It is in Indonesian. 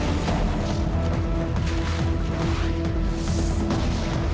kita harus ke rumah